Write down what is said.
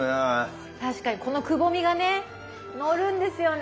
確かにこのくぼみがねのるんですよね。